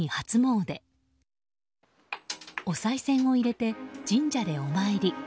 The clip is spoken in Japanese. おさい銭を入れて神社でお参り。